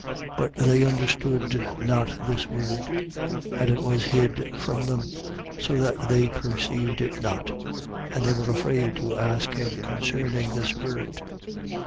9:45. But they understood not this word: and it was hid from them, so that they perceived it not. And they were afraid to ask him concerning this word.